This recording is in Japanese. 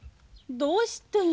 どうして？